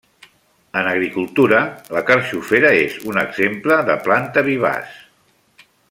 En agricultura, la carxofera és un exemple de planta vivaç.